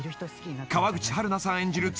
［川口春奈さん演じる